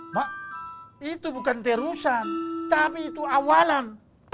mak itu bukan terusan tapi itu awalan